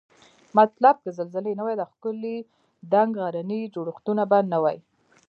مطلب که زلزلې نه وای دا ښکلي دنګ غرني جوړښتونه به نوای